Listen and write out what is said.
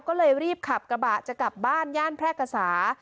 ก็เลยรีบขับกระบะจะกลับบ้านย่านแพร่กษา